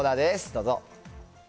どうぞ。